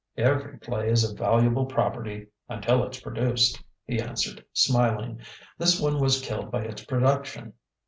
"Every play is a valuable property until it's produced," he answered, smiling. "This one was killed by its production.